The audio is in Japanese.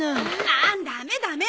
あダメダメ！